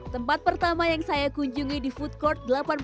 tempat pertama yang saya kunjungi di food court delapan puluh